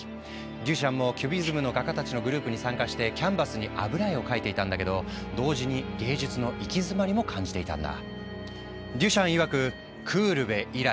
デュシャンもキュビズムの画家たちのグループに参加してキャンバスに油絵を描いていたんだけど同時に芸術の行き詰まりも感じていたんだ。